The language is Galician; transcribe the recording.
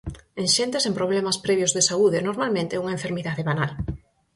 En xente sen problemas previos de saúde, normalmente é unha enfermidade banal.